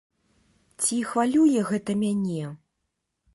Ці хвалюе гэта мяне?